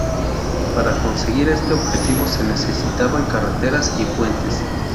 Para conseguir este objetivo se necesitaban carreteras y puentes.